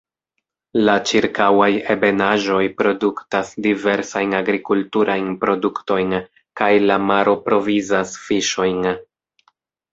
La ĉirkaŭaj ebenaĵoj produktas diversajn agrikulturajn produktojn, kaj la maro provizas fiŝojn.